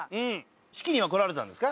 式には来られたんですか？